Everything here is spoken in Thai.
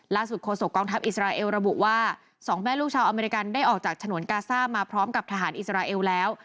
โฆษกองทัพอิสราเอลระบุว่าสองแม่ลูกชาวอเมริกันได้ออกจากฉนวนกาซ่ามาพร้อมกับทหารอิสราเอลแล้ว